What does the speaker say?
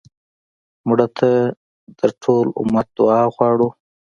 مړه ته د ټول امت دعا غواړو